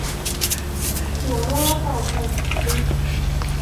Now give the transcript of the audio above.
หัวร่อต่อกระซิก